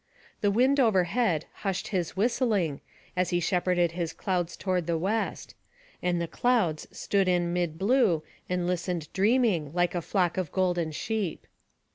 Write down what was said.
The Wind overhead hushed his whistling, as he shepherded his clouds toward the west; and the clouds stood in mid blue, and listened dreaming, like a flock of golden sheep.